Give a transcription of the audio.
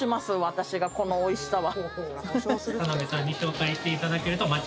私がこのおいしさは。